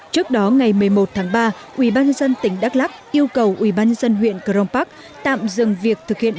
trước đó ngày một mươi một tháng ba ubnd tỉnh đắk lắc yêu cầu ubnd huyện cron park tạm dừng việc thực hiện